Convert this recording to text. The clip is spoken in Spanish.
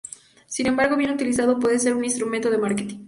Sin embargo, bien utilizado, puede ser un instrumento de marketing.